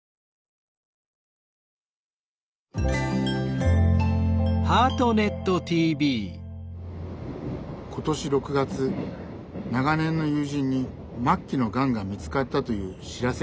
今年６月長年の友人に末期のがんが見つかったという知らせがありました。